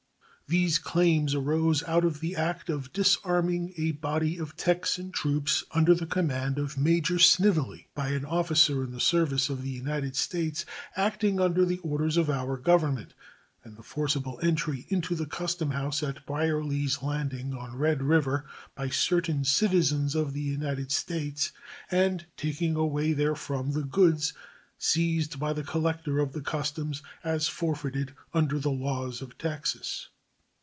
These claims arose out of the act of disarming a body of Texan troops under the command of Major Snively by an officer in the service of the United States, acting under the orders of our Government, and the forcible entry into the custom house at Bryarlys Landing, on Red River, by certain citizens of the United States and taking away therefrom the goods seized by the collector of the customs as forfeited under the laws of Texas.